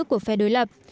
của phe đối lập